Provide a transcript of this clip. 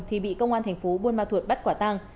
thì bị công an thành phố buôn ma thuột bắt quả tang